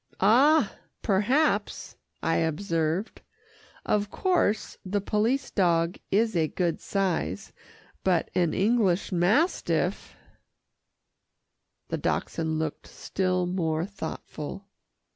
"Ah! perhaps," I observed. "Of course the police dog is a good size, but an English mastiff " The Dachshund looked still more thoughtful.